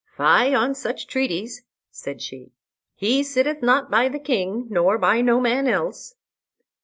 "Fie on such treaties," said she; "he setteth not by the king, nor by no man else."